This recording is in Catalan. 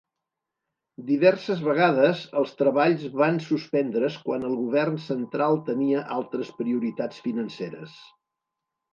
Diverses vegades els treballs van suspendre's quan el govern central tenia altres prioritats financeres.